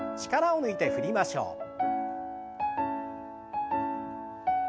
力を抜いて振りましょう。